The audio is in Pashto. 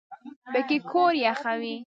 پکۍ کور یخوي